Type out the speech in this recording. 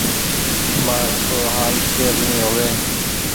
مآر آسو هآل ڪير ني هووي۔